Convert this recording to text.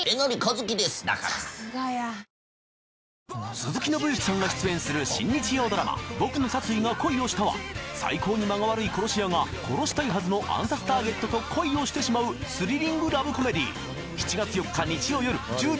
鈴木伸之さんが出演する新日曜ドラマ『ボクの殺意が恋をした』は最高に間が悪い殺し屋が殺したいはずの暗殺ターゲットと恋をしてしまうスリリング・ラブコメディ！